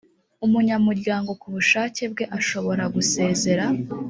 umunyamuryango ku bushake bwe ashobora gusezera